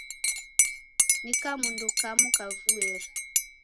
Ni kamundu kamu kavueri!